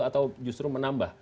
atau justru menambah